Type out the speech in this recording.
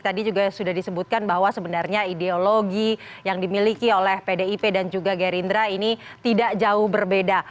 tadi juga sudah disebutkan bahwa sebenarnya ideologi yang dimiliki oleh pdip dan juga gerindra ini tidak jauh berbeda